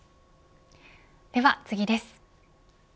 では次です。